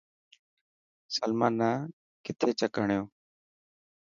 سلمان نا ڪٿي چڪ هڻيو.